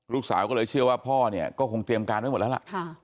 ลูกสาวก็เลยเชื่อว่าพ่อเนี่ยก็คงเตรียมการไว้หมดแล้วล่ะ